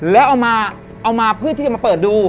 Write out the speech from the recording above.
แล้วเอามาเพื่อที่จะมาเปิดดู